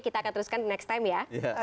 kita akan teruskan next time ya